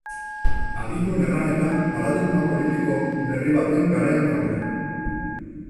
Adituen erranetan, paradigma politiko berri baten garaian gaude.